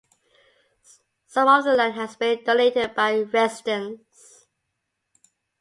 Some of the land has been donated by residents.